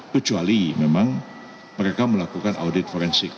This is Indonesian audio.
kecuali memang mereka melakukan audit forensik